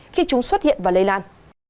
khi chúng xuất hiện và lây lan